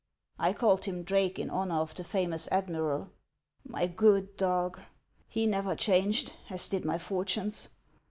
I called him Drake in honor of the famous admiral. My good dog ! He never changed, as did my fortunes.